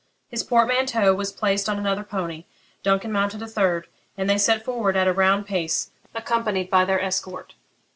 His portmanteau was placed on another pony, Duncan mounted a third, and they set forward at a round pace, accompanied by their escort.